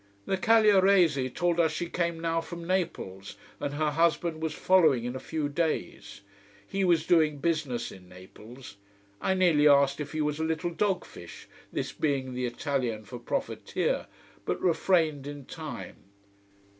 The Cagliarese told us she came now from Naples, and her husband was following in a few days. He was doing business in Naples. I nearly asked if he was a little dog fish this being the Italian for profiteer, but refrained in time.